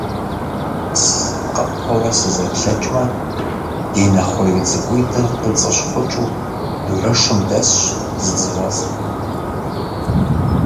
Сысакъыпэурэ сызэплъэкӀмэ, и нэ хъурей цӀыкӀуитӀыр къицӀыщхъукӀыу, дурэшым дэсщ зы дзыгъуэ цӀыкӀу.